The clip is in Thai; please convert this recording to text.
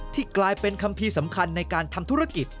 กลายเป็นคัมภีร์สำคัญในการทำธุรกิจ